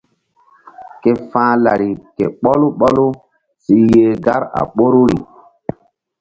Ke fa̧h lari ke ɓɔlu ɓɔlu si yeh gar a ɓoruri.